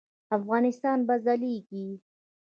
افغانستان به ځلیږي